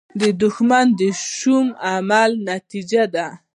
• دښمني د شومو اعمالو نتیجه ده.